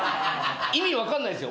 意味分かんないっすよ。